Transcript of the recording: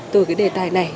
từ cái đề tài này